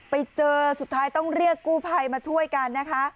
สุดท้ายต้องเรียกกู้ภัยมาช่วยกันนะคะ